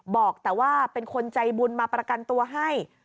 บอกแต่ว่าเป็นคนใจบุญมาประกันตัวให้